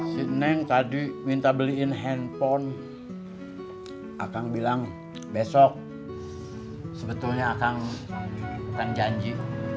sideneng tadi minta beliin handphone akang bilang besok sebetulnya akan kan janji